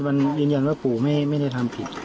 มันยืนยันว่าปู่ไม่ได้ทำผิด